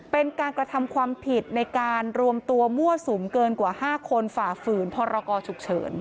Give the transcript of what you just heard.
เป็นการกระทำความผิดในการรวมตัวมั่วสุมเกินกว่า๕คนฝ่าฝืนพรกรฉุกเฉิน